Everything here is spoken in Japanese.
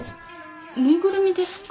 縫いぐるみですか？